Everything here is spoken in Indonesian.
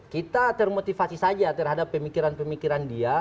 kita termotivasi saja terhadap pemikiran pemikiran dia